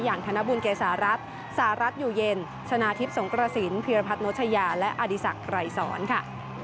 อย่างธนบุญเกสารัสสารัสอยู่เย็นชนะทิพย์สงกระสินพีรพัฒนโชยาและอดีศักดิ์ไหร่สอนค่ะ